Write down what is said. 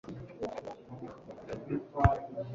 Nshuti nkuko bibukwa gusomana nyuma yurupfu